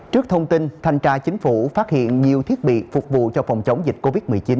trước thông tin thanh tra chính phủ phát hiện nhiều thiết bị phục vụ cho phòng chống dịch covid một mươi chín